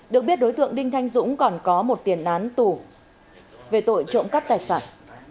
được biết đối tượng đinh thanh dũng còn có một tiền án tù về tội trộm cắp tài sản